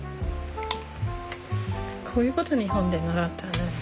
こういうこと日本で習ったよね。